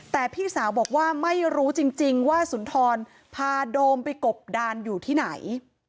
แต่พี่สาวบอกว่าไม่รู้จริงว่าสุนทรพาโดมไปกบดานอยู่ที่ไหน